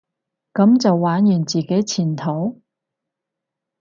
噉就玩完自己前途？